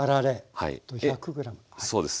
そうです。